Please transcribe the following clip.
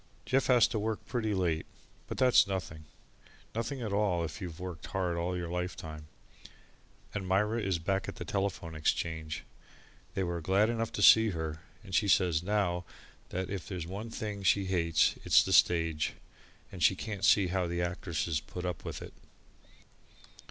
Jeff has to work pretty late, but that's nothing nothing at all, if you've worked hard all your lifetime. And Myra is back at the Telephone Exchange they were glad enough to get her, and she says now that if there's one thing she hates, it's the stage, and she can't see how the actresses put up with it.